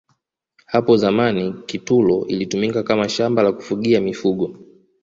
hapo zamani kitulo ilitumika Kama shamba la kufugia mifugo